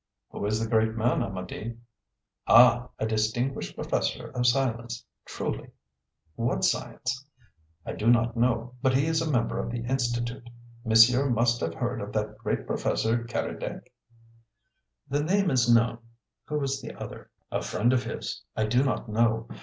"Who is the great man, Amedee?" "Ah! A distinguished professor of science. Truly." "What science?" "I do not know. But he is a member of the Institute. Monsieur must have heard of that great Professor Keredec?" "The name is known. Who is the other?" "A friend of his. I do not know.